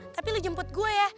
tapi lo jemput gue ya